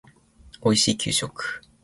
おいしい給食